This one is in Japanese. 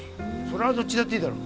それはどっちだっていいだろ。